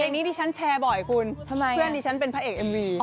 นี้ดิฉันแชร์บ่อยคุณทำไมเพื่อนดิฉันเป็นพระเอกเอ็มวี